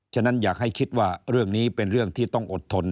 ฉะนั้นอยากให้คิดว่าเรื่องนี้เป็นเรื่องที่ต้องอดทน